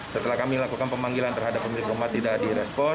setelah kami lakukan pemanggilan terhadap pemilik rumah tidak direspon